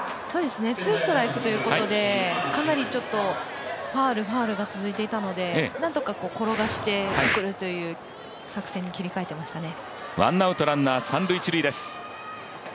ツーストライクということでかなりファウル、ファウルが続いていたのでなんとか転がして送るという作戦に切り替えていましたね。